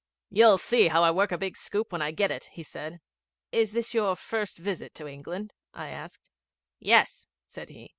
'You'll see how I work a big scoop when I get it,' he said. 'Is this your first visit to England?' I asked. 'Yes,' said he.